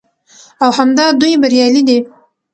او همدا دوى بريالي دي